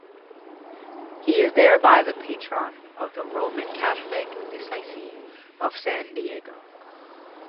He is thereby the patron of the Roman Catholic Diocese of San Diego.